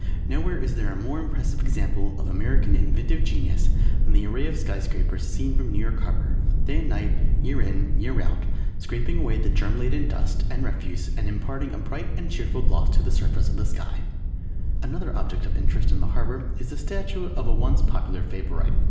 Nowhere is there a more impressive example of American inventive Genius than the array of Sky Scrapers seen from New York Harbour, day and night, year in, year out, scraping away the germ laden dust and refuse and imparting a bright and cheerful gloss to the surface of the sky. Another object of interest in the harbour is the statue of a once popular favourite.